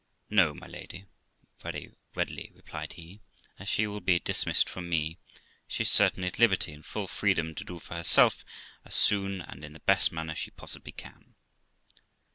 'No, my lady', very readily replied he ; 'as she will be dismissed from me, she is certainly at liberty and full freedom to do for herself as soon and in the best manner she possibly can.'